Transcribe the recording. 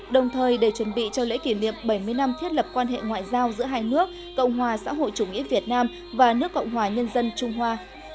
đồng thời để chuẩn bị cho lễ kỷ niệm bảy mươi năm thiết lập quan hệ ngoại giao giữa hai nước cộng hòa xã hội chủ nghĩa việt nam và nước cộng hòa nhân dân trung hoa